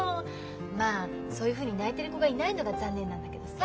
まあそういうふうに泣いてる子がいないのが残念なんだけどさ。